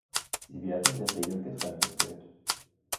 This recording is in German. Sie werden in der Regel getrennt gezählt.